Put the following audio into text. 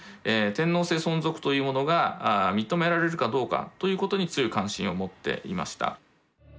天皇制存続というものが認められるかどうかということに強い関心を持っていました。